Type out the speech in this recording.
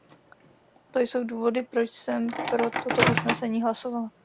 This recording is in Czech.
To jsou důvody, proč jsem pro toto usnesení hlasovala.